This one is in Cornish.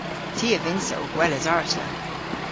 Ty a vynnsa ow gweles arta.